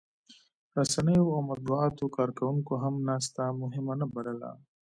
رسنیو او د مطبوعاتو کارکوونکو هم ناسته مهمه نه بلله